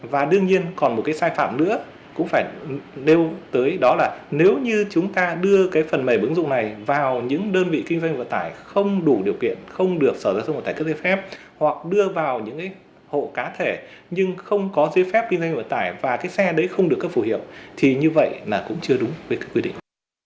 và đương nhiên còn một cái sai phạm nữa cũng phải đưa tới đó là nếu như chúng ta đưa cái phần mềm ứng dụng này vào những đơn vị kinh doanh vận tải không đủ điều kiện không được sở giao thông vận tải cấp dây phép hoặc đưa vào những hộ cá thể nhưng không có dây phép kinh doanh vận tải và cái xe đấy không được cấp phù hiệu thì như vậy là cũng chưa đúng với quy định